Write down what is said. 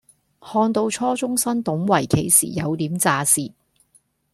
看到初中生懂圍棋時有點咋舌